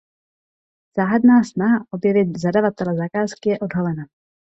Záhadná snaha objevit zadavatele zakázky je odhalena.